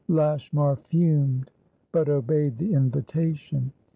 Lashmar fumed, but obeyed the invitation.